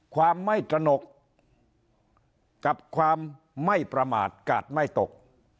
ความไม่ตระหนกกับความไม่ประมาทกาดไม่ตก